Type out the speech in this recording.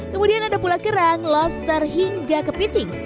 kemudian ada pula kerang lobster hingga kepiting